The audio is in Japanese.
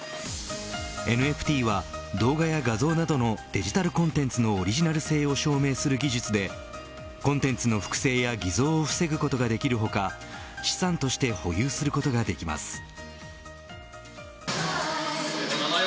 ＮＦＴは、動画や画像などのデジタルコンテンツのオリジナル性を証明する技術でコンテンツの複製や偽造を防ぐことができる他資産として保有することができます。